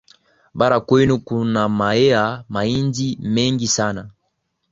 Bara kwenu kunamea mahindi mengi sana